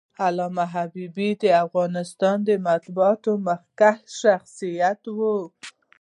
علامه حبيبي د افغانستان د مطبوعاتو مخکښ شخصیت و.